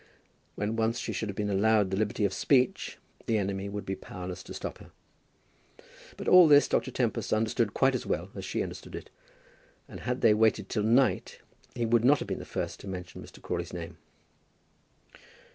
When once she should have been allowed liberty of speech, the enemy would be powerless to stop her. But all this Dr. Tempest understood quite as well as she understood it, and had they waited till night he would not have been the first to mention Mr. Crawley's name.